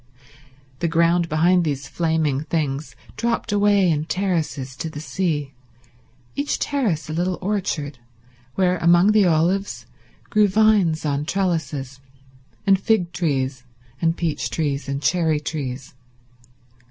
The ground behind these flaming things dropped away in terraces to the sea, each terrace a little orchard, where among the olives grew vines on trellises, and fig trees, and peach trees, and cherry trees.